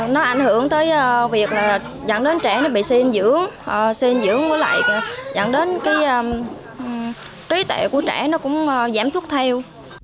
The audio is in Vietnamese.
nó ảnh hưởng tới việc dẫn đến trẻ bị suy dinh dưỡng suy dinh dưỡng với lại dẫn đến cái trí tệ của trẻ nó cũng giảm xuất theo